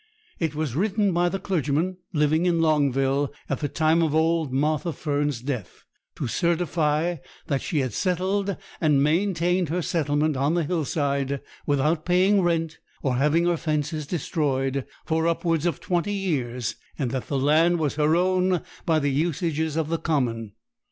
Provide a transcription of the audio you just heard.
It was written by the clergyman living in Longville at the time of old Martha Fern's death, to certify that she had settled, and maintained her settlement on the hillside, without paying rent, or having her fences destroyed, for upwards of twenty years, and that the land was her own by the usages of the common.